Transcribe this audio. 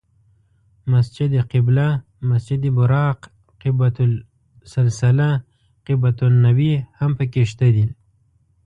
مسجد قبله، مسجد براق، قبة السلسله، قبة النبی هم په کې شته.